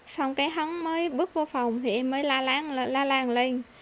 xong cái hắn mới bước vô phòng thì em mới la làng lên